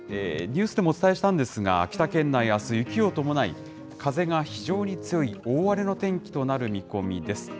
ニュースでもお伝えしたんですが、秋田県内、あす、雪を伴い、風が非常に強い、大荒れの天気となる見込みです。